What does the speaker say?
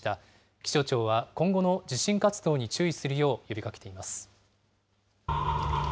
気象庁は、今後も地震活動に注意するよう呼びかけています。